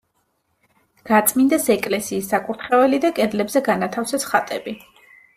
გაწმინდეს ეკლესიის საკურთხეველი და კედლებზე განათავსეს ხატები.